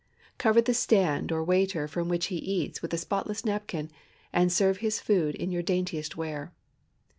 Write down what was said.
Cover the stand or waiter from which he eats with a spotless napkin, and serve his food in your daintiest ware.